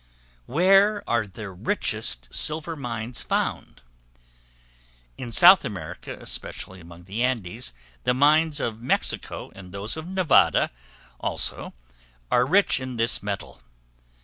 Where are the richest Silver Mines found? In South America, especially among the Andes; the mines of Mexico, and those of Nevada, also, are rich in this metal.